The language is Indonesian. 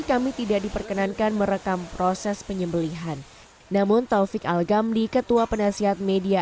kami tidak diperkenankan merekam proses penyembelian namun taufiq al gamli ketua penasihat media